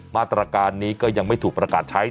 มาตรการนี้ก็ยังไม่ถูกประกาศใช้